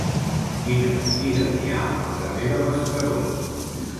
Quines botigues hi ha al carrer de Mascaró?